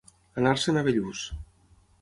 Anar-se'n a Bellús.